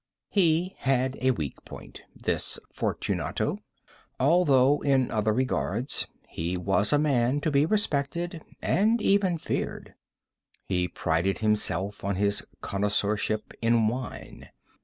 He had a weak point—this Fortunato—although in other regards he was a man to be respected and even feared. He prided himself on his connoisseurship in wine.